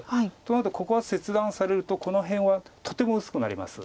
あとはここ切断されるとこの辺はとても薄くなります。